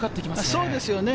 そうですね。